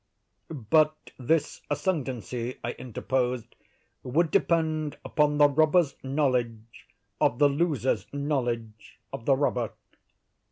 "But this ascendancy," I interposed, "would depend upon the robber's knowledge of the loser's knowledge of the robber.